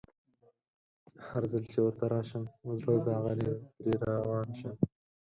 هرځل چي ورته راشم زړه داغلی ترې روان شم